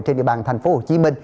trên địa bàn tp hcm